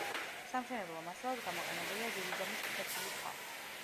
სამშენებლო მასალად გამოყენებულია დიდი ზომის ფლეთილი ქვა.